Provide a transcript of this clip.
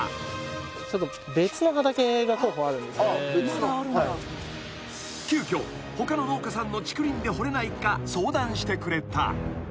［急きょ他の農家さんの竹林で掘れないか相談してくれた］